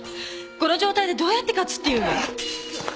この状態でどうやって勝つっていうの？